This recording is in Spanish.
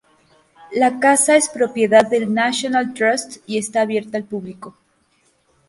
La casa es propiedad del National Trust y está abierta al público.